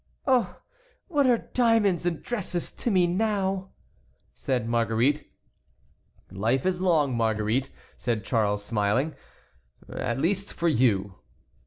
"Oh! what are diamonds and dresses to me now?" said Marguerite. "Life is long, Marguerite," said Charles, smiling, "at least for you."